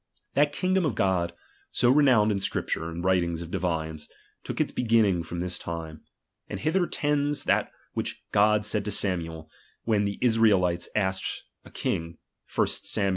That kingdom of God, so re nowned in Scriptures and writings of di\ines, took its beginning from this time ; and hither tends that which God said to Samuel, when the Israelites asked a king (1 Sam.